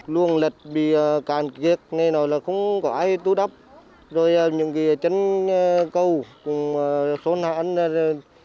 bến cá chợ cửa việt là một trong những ghi nhận của phóng viên truyền hình nhân dân